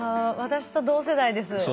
私と同世代です。